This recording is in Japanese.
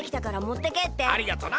ありがとな！